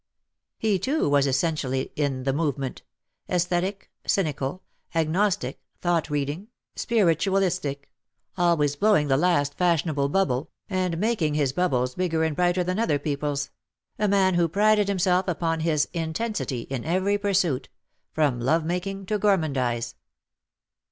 He, too, was essentially in themovement — aesthetic, cynical, agnos tic, thought reading, spiritualistic — always blowing the last fashionable bubble, and making his bubbles H 2 100 bigger and brighter than otber people's — a man who prided himself upon his "intensity^^ in every pursuit — from love making to gourmandize.